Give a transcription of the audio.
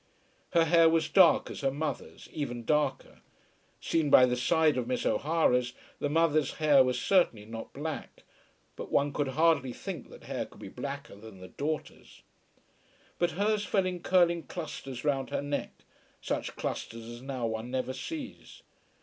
Her hair was dark as her mother's, even darker. Seen by the side of Miss O'Hara's, the mother's hair was certainly not black, but one could hardly think that hair could be blacker than the daughter's. But hers fell in curling clusters round her neck, such clusters as now one never sees.